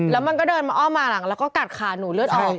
แล้วมันก็เดินมาอ้อมมาหลังแล้วก็กัดขาหนูเลือดออก